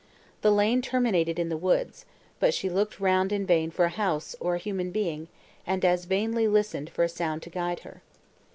The lane terminated in the woods, but she looked round in vain for a house, or a human being, and as vainly listened for a sound to guide her.